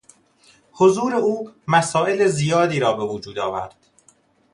حضور او مسائل زیادی را به وجود آورد.